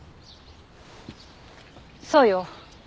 そうよ。